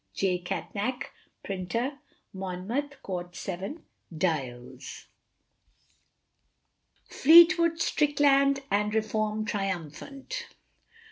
J. Catnach, Printer, Monmouth Court, 7 Dials. FLEETWOOD, STRICKLAND, AND REFORM TRIUMPHANT.